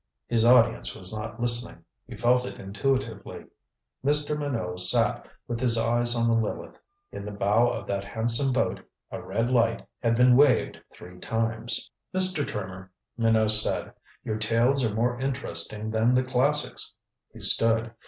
His audience was not listening; he felt it intuitively. Mr. Minot sat with his eyes on the Lileth. In the bow of that handsome boat a red light had been waved three times. "Mr. Trimmer," Minot said, "your tales are more interesting than the classics." He stood.